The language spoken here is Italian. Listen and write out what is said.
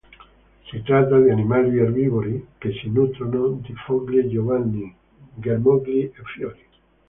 Si tratta di animali erbivori, che si nutrono di foglie giovani, germogli e fiori.